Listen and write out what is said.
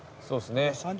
そうですね。